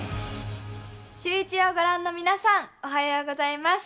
シューイチをご覧の皆さん、おはようございます。